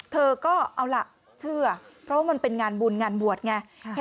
เธอก็เอาล่ะเชื่อเพราะว่ามันเป็นงานบุญงานบวชไง